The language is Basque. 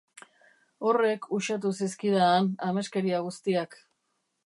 Horrek uxatu zizkidaan ameskeria guztiak.